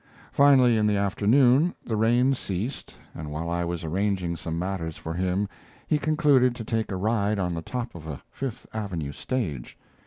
Finally, in the afternoon, the rain ceased, and while I was arranging some matters for him he concluded to take a ride on the top of a Fifth Avenue stage.